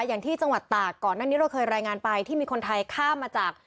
อย่างที่จังหวัดตากก่อนหน้านี้เราเคยรายงานไปที่มีคนไทยข้ามมาจาก